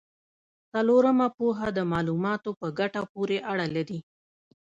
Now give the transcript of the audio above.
څلورمه پوهه د معلوماتو په ګټه پورې اړه لري.